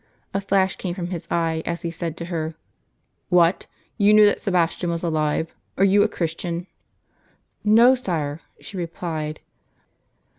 A flash came from his eye, as he said to her: "What! You knew that Sebastian was alive ? Are you a Christian ?"" JSTo, sire," she replied.